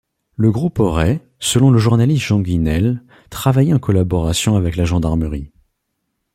Le groupe aurait, selon le journaliste Jean Guisnel, travaillé en collaboration avec la gendarmerie.